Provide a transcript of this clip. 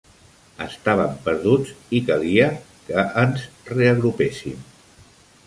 Estàvem perduts i calia que ens reagrupéssim.